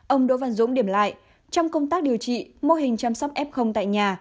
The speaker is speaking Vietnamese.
ông đỗ văn dũng điểm lại trong công tác điều trị mô hình chăm sóc f tại nhà